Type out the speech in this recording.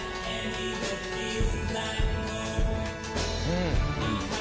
うん！